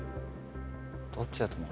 どっちだと思う？